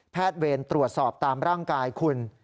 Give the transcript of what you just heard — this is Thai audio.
เวรตรวจสอบตามร่างกายคุณ